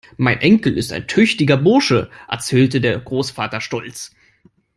"Mein Enkel ist ein tüchtiger Bursche", erzählte der Großvater stolz.